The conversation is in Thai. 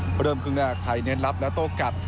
เมื่อเริ่มครึ่งแรกไทยเน็ตรับและโตกัด